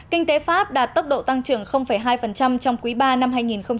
kinh tế pháp đạt tốc độ tăng trưởng hai trong quý ba năm hai nghìn một mươi sáu